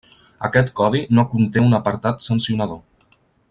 Aquest codi no conté un apartat sancionador.